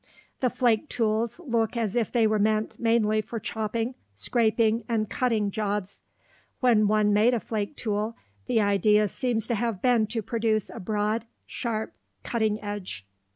The flake tools look as if they were meant mainly for chopping, scraping, and cutting jobs. When one made a flake tool, the idea seems to have been to produce a broad, sharp, cutting edge.